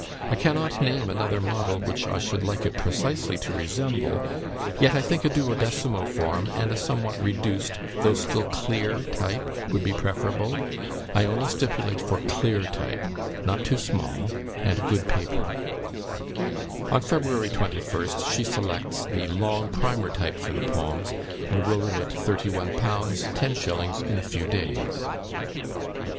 I cannot name another model which I should like it precisely to resemble, yet, I think, a duodecimo form, and a somewhat reduced, though still clear type, would be preferable. I only stipulate for clear type, not too small, and good paper." On February 21st she selects the "long primer type" for the poems, and will remit 31_l_. 10_s_. in a few days.